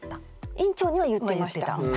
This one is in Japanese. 院長には言ってました。